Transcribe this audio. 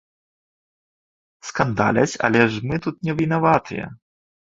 Скандаляць, але ж мы тут не вінаватыя.